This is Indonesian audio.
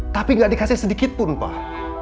tapi gak dikasih sedikit pun pak